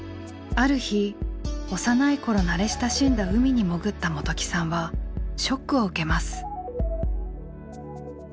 ある日幼い頃慣れ親しんだ海に潜った元起さんはショックを受けます。